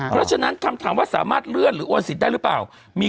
เพราะฉะนั้นคำถามว่าสามารถเลื่อนหรือโอนสิทธิ์ได้หรือเปล่า